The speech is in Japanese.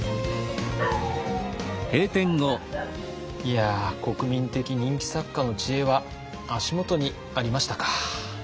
いや国民的人気作家の知恵は足元にありましたか。